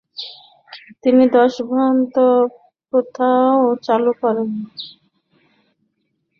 তিনি দসভন্দ প্রথাও চালু করেন।